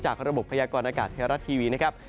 จากระบบพยากรณ์อากาศธรรพ์ทีวีนะครับ